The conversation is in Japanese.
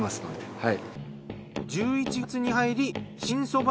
はい。